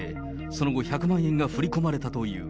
その後、１００万円が振り込まれたという。